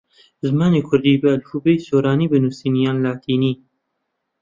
زمانی کوردی بە ئەلفوبێی سۆرانی بنووسین یان لاتینی؟